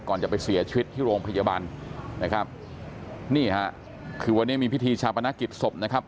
ก่อนจะไปเสียชีวิตที่โรงพยาบาลนะครับนี่ฮะคือวันนี้มีพิธีชาปนกิจศพนะครับ